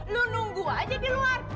lu nunggu aja di luar